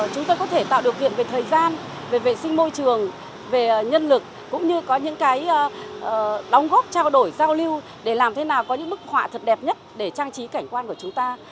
chúng tôi có thể tạo điều kiện về thời gian về vệ sinh môi trường về nhân lực cũng như có những cái đóng góp trao đổi giao lưu để làm thế nào có những bức họa thật đẹp nhất để trang trí cảnh quan của chúng ta